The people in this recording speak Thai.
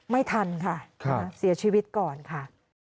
ไม่ทันค่ะเสียชีวิตก่อนค่ะ